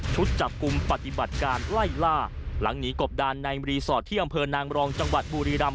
จับกลุ่มปฏิบัติการไล่ล่าหลังหนีกบดานในรีสอร์ทที่อำเภอนางรองจังหวัดบุรีรำ